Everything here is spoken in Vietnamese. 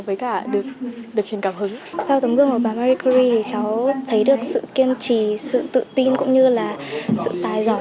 vậy cháu cũng thấy rất là tự hào